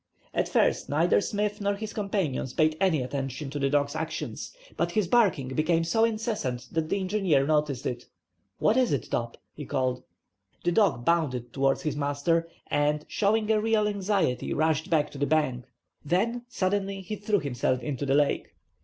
At first neither Smith nor his companions paid any attention to the dog's actions, but his barking became so incessant, that the engineer noticed it. "What is it, Top?" he called. The dog bounded towards his master, and, showing a real anxiety, rushed back to the bank. Then, suddenly, he threw himself into the lake.